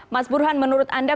mas burhan menurut anda